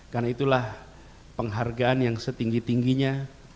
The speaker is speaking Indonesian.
karena itulah penghargaan yang setinggi tingginya